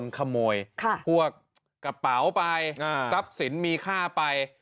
ขโมยพวกกระเป๋าไปทรัพย์สินมีค่าไป